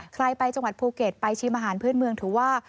ใครไปจังหวัดภูเก็ตไปชิมอาหารพื้นเมืองถือว่า